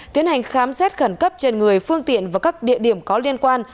tiến hành khám xét khẩn cấp trên người phương tiện và các địa điểm có liên quan